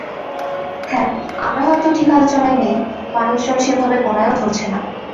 হ্যাঁ, আমরা হয়তো ঠিক আলোচনায় নেই, মানুষজন সেভাবে গোনায়ও ধরছে না।